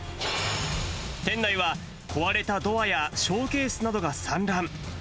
店内は壊れたドアやショーケースなどが散乱。